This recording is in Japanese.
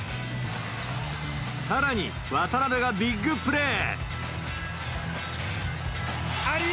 さらに、渡邊がビッグプレー。